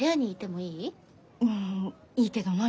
うんいいけど何？